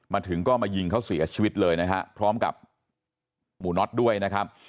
มาถึงก็มายิงเขาเสียชีวิตเลยนะฮะพร้อมกับหมู่น็อตด้วยนะครับ